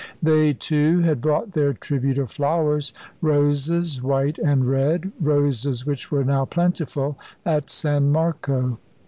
They, too, had brought their tribute of flowers, roses white and red, roses which were now plentiful at San Marco.